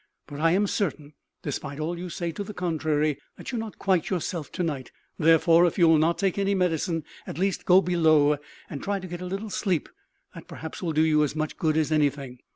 But I am certain, despite all you say to the contrary, that you are not quite yourself to night. Therefore, if you will not take any medicine, at least go below and try to get a little sleep; that perhaps will do you as much good as anything.